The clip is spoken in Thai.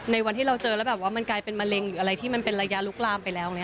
วันที่เราเจอแล้วแบบว่ามันกลายเป็นมะเร็งหรืออะไรที่มันเป็นระยะลุกลามไปแล้ว